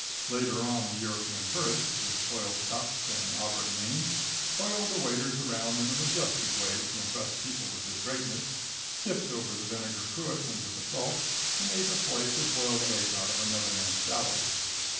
Later on the European tourist, with soiled cuffs and auburn mane, ordered the waiters around in a majestic way, to impress people with his greatness, tipped over the vinegar cruet into the salt and ate a slice of boiled egg out of another man's salad.